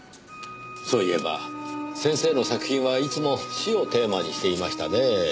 そういえば先生の作品はいつも死をテーマにしていましたね。